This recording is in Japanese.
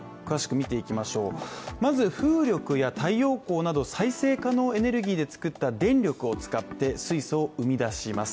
まず風力や太陽光など再生可能エネルギーで作った電力を使って水素を生み出します